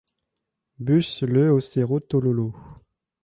Bus le au Cerro Tololo.